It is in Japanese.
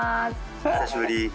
久しぶり。